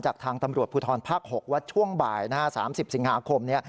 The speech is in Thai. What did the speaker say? ทางตำรวจภูทรภาค๖ว่าช่วงบ่าย๓๐สิงหาคมนี้